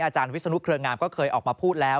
อาจารย์วิศนุเครืองามก็เคยออกมาพูดแล้ว